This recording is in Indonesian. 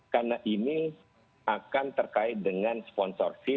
karena ini akan terkait dengan sponsorship